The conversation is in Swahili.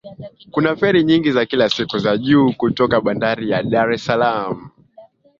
Kuna feri nyingi za kila siku za juu kutoka bandari ya Dar es Salaam